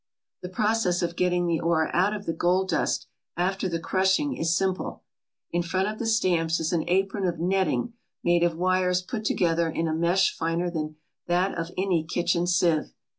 The process of getting the ore out of the gold dust after the crushing is simple. In front of the stamps is an apron of netting made of wires put together in a mesh finer than that of any kitchen sieve.